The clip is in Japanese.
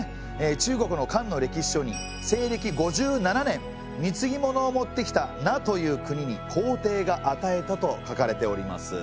中国の漢の歴史書に西暦５７年みつぎ物をもってきた奴という国に皇帝があたえたと書かれております。